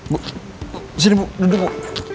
bu sini bu duduk bu